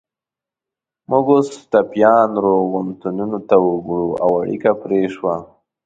موږ اوس ټپیان روغتونونو ته وړو، او اړیکه پرې شوه.